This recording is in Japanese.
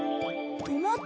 止まった。